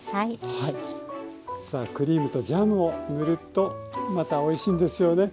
さあクリームとジャムを塗るとまたおいしいんですよね。